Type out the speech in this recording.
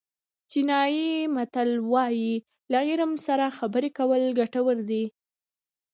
چینایي متل وایي له عالم سره خبرې کول ګټور دي.